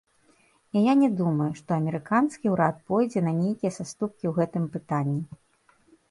І я не думаю, што амерыканскі ўрад пойдзе на нейкія саступкі ў гэтым пытанні.